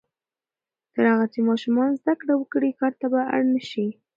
تر هغه چې ماشومان زده کړه وکړي، کار ته به اړ نه شي.